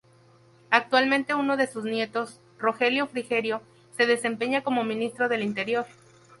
Actualmente uno de sus nietos, Rogelio Frigerio, se desempeña como Ministro del Interior.